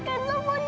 kenzo aku mau pergi